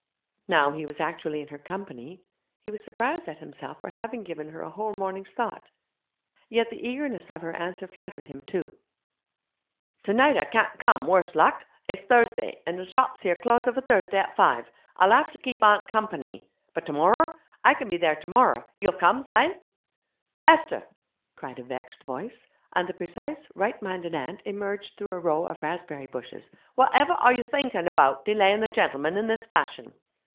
Now he was actually in her company, he was surprised at himself for having given her a whole morning's thought; yet the eagerness of her answer flattered him, too. 'Tonight I can't come, worse luck! It's Thursday, and the shops here close of a Thursday at five. I'll havter keep aunt company. But tomorrer? I can be there tomorrer. You'll come, say?' 'Esther!' cried a vexed voice, and the precise, right minded aunt emerged through a row of raspberry bushes; 'whatever are you thinking about, delayin' the gentleman in this fashion?'